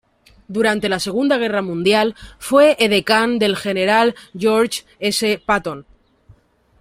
Durante la Segunda Guerra Mundial fue edecán del general George S. Patton.